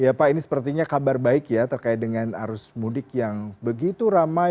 ya pak ini sepertinya kabar baik ya terkait dengan arus mudik yang begitu ramai